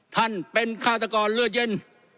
ท่านเป็นฆาตกรเลือดเย็น